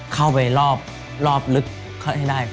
เข้าไปรอบลึกให้ได้